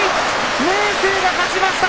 明生が勝ちました。